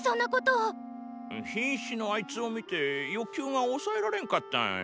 瀕死のあいつを見て欲求が抑えられンかった。